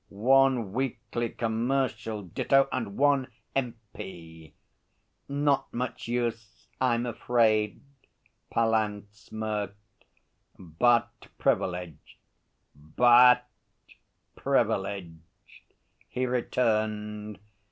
One weekly commercial ditto and one M.P.' 'Not much use, I'm afraid,' Pallant smirked. 'But privileged. But privileged,' he returned.